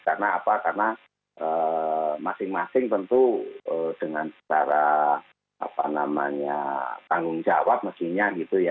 karena masing masing tentu dengan secara tanggung jawab mestinya